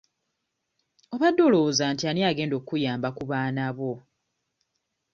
Obadde olowooza nti ani agenda okukuyamba ku baana bo?